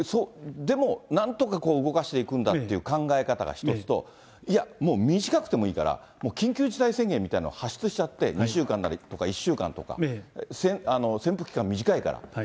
でもなんとか動かしていくんだっていう考え方が一つと、いや、もう短くてもいいから、もう緊急事態宣言みたいなのを発出しちゃって、２週間なりとか、１週間とか、潜伏期間短いから。